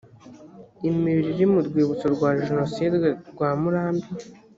imibiri iri mu rwibutso rwa jenoside rwa murambi